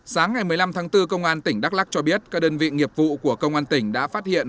sáng ngày một mươi năm tháng bốn công an tỉnh đắk lắc cho biết các đơn vị nghiệp vụ của công an tỉnh đã phát hiện